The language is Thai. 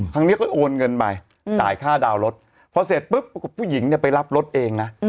ครั้งนี้เขาโอนเงินไปจ่ายค่าดาวน์รถพอเสร็จปุ๊บผู้หญิงเนี่ยไปรับรถเองนะ